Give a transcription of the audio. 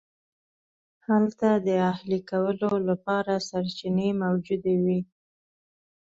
هلته د اهلي کولو لپاره سرچینې موجودې وې.